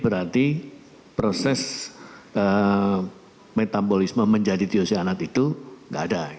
berarti proses metabolisme menjadi tiosanat itu enggak ada